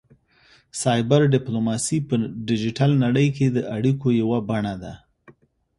سایبر ډیپلوماسي په ډیجیټل نړۍ کې د اړیکو یوه بڼه ده